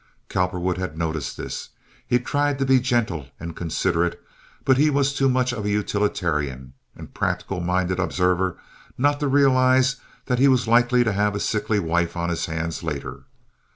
Cowperwood had noticed this. He tried to be gentle and considerate, but he was too much of a utilitarian and practical minded observer not to realize that he was likely to have a sickly wife on his hands later.